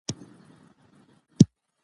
سندرې او موسیقي د ذهني آرامۍ سبب دي.